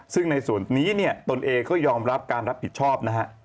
ซึ่งในส่วนนี้เนี่ยตนเองก็ยอมรับการรับผิดชอบนะฮะ